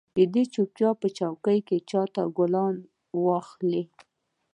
دې چوپیتا کې به څوک چاته ګلان واخلي؟